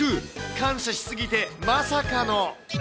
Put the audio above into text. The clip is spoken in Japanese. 感謝し過ぎてまさかの。